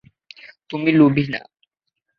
তুমি লোভী না?